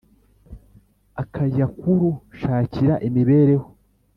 akajya kuru shakira imibereho?